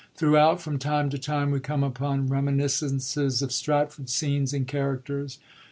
Throughout, from time to time, we come upon reminiscences of Stratford scenes and characters.